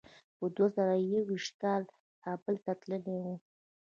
په دوه زره یو ویشت کې کابل ته تللی وم.